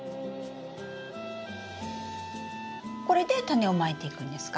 これでタネをまいていくんですか？